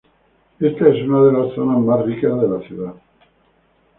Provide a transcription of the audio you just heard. Esta es una de las zonas más ricas de la ciudad.